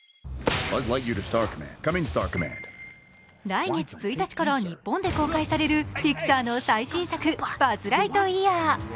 来月１日から日本で公開されるピクサーの最新作「バズ・ライトイヤー」。